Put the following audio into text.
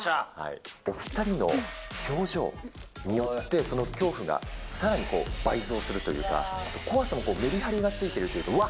お２人の表情によって、その恐怖がさらに倍増するというか、怖さもメリハリがついているというか、うわ！